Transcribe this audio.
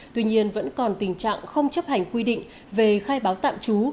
tuy nhiên vẫn còn tình trạng không chấp hành quy định về khai báo tạm trú